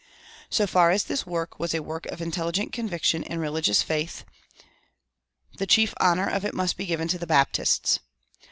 So far as this work was a work of intelligent conviction and religious faith, the chief honor of it must be given to the Baptists.